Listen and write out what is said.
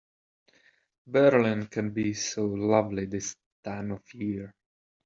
Berlin can be so lovely this time of year.